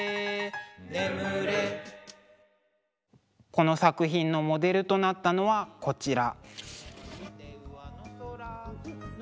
この作品のモデルとなったのはこちら。